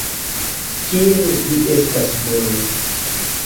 Kiel vi estas bona.